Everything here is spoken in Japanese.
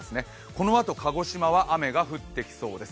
このあと鹿児島は雨が降ってきそうです。